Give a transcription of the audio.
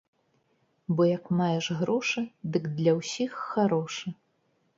Бо як маеш грошы, дык для ўсіх харошы.